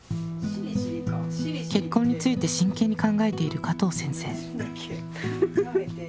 結婚について真剣に考えている加藤先生。